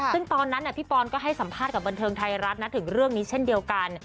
ซึ่งตอนนั้นพี่ปอนก็ให้สัมภาษณ์กับบันเทิงไทยรัฐนะถึงเรื่องนี้เช่นเดียวกัน